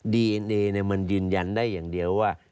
ดีเอ็นเอมันยืนยันได้อย่างเดียวว่า